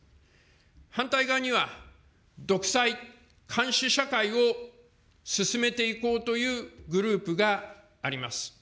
反対側には、独裁、監視社会を進めていこうというグループがあります。